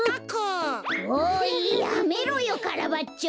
おいやめろよカラバッチョ！